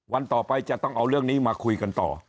วันต่อไปจะต้องเอาเรื่องนี้มาคุยกันต่อ